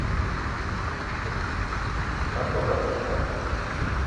tʰap babar manila